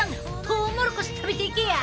トウモロコシ食べていけや！